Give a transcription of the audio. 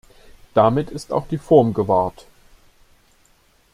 Damit ist auch die Form gewahrt.